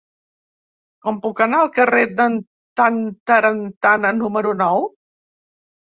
Com puc anar al carrer d'en Tantarantana número nou?